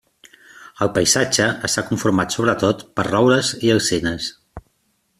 El paisatge està conformat sobretot per roures i alzines.